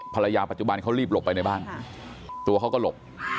ปัจจุบันเขารีบหลบไปในบ้านตัวเขาก็หลบ